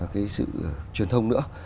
cái sự truyền thông nữa